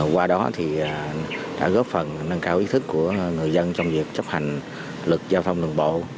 qua đó thì đã góp phần nâng cao ý thức của người dân trong việc chấp hành luật giao thông đường bộ